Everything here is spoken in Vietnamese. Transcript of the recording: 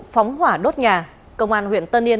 phóng hỏa đốt nhà công an huyện tân yên